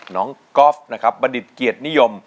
น้องกอล์ฟนะครับบรรดิเกียรตินิยม